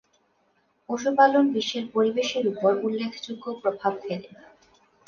পশুপালন বিশ্বের পরিবেশের উপর উল্লেখযোগ্য প্রভাব ফেলে।